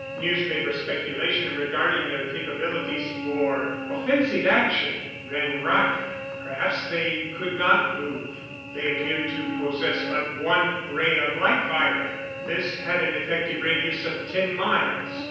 Newspaper speculation regarding their capabilities for offensive action ran rife. Perhaps they could not move. They appeared to possess but one ray of light fire; this had an effective radius of ten miles.